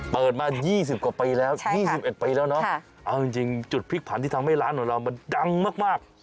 เปิดมา๒๐กว่าปีแล้ว๒๑ปีแล้วเนาะเอาจริงจุดพลิกผันที่ทำให้ร้านของเรามันดังมาก